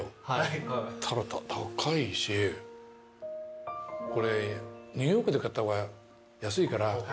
高いしこれニューヨークで買った方が安いから。